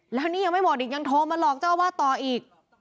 แล้วนี่ยังไม่หมดอีกยังโทรมาหลอกเจ้าอาวาสต่ออีก